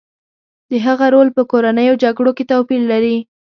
د هغه رول په کورنیو جګړو کې توپیر لري